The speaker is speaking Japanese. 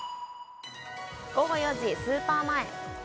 午後４時、スーパー前。